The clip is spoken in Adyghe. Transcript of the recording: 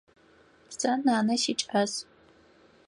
Сэ нанэ сикӏас.